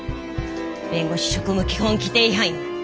弁護士職務基本規程違反よ。